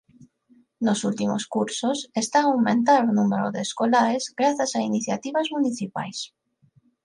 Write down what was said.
Nos últimos cursos está a aumentar o número de escolares grazas a iniciativas municipais.